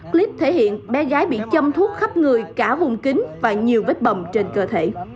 clip thể hiện bé gái bị châm thuốc khắp người cả vùng kính và nhiều vết bầm trên cơ thể